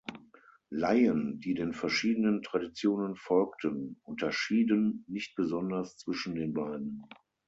Laien, die den verschiedenen Traditionen folgten, unterschieden nicht besonders zwischen den beiden.